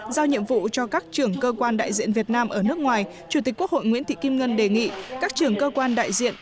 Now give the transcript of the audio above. giao nhiệm vụ cho các trưởng cơ quan đại diện việt nam ở nước ngoài chủ tịch quốc hội nguyễn thị kim ngân đề nghị các trưởng cơ quan đại diện